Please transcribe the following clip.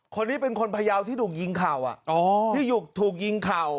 คนนี้เป็นคนพยาวที่ถูกยิงเข่าที่ถูกยิงเข่า